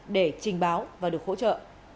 để trình báo và được hỗ trợ